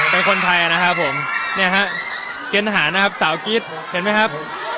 เป็นคนไทยอ่ะนะครับผมเนี่ยฮะเก็นหานะครับสาวกิจเห็นไหมครับ